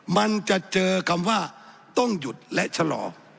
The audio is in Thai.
มันจะเจอคำว่าต้องหยุดและชะลอ